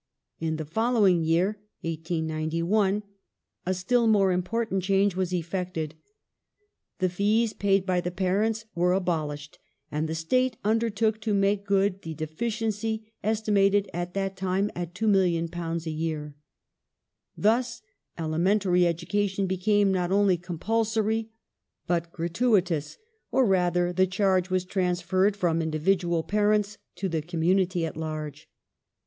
In the follow Gratu ing year (1891) a still more important change was effected. The ^^^^^^^j^^^ fees paid by the parents were abolished, and the State undertook to make good the deficiency, estimated at that time at £2,000,000 a year. Thus elementary education became not only compulsory, but gi atuitous — or rather the charge was transferred from indi vidual parents to the cQmmunity at large.